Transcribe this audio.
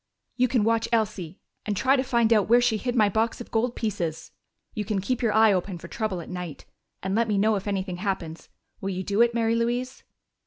"You can watch Elsie and try to find out where she hid my box of gold pieces. You can keep your eye open for trouble at night and let me know if anything happens.... Will you do it, Mary Louise?"